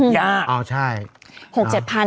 ยาก๖๗พัน